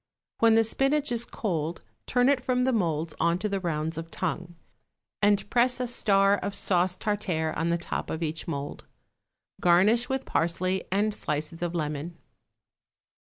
When the spinach is cold turn it from the moulds on to the rounds of tongue, and press a star of sauce tartare on the top of each mould. Garnish with parsley and slices of lemon.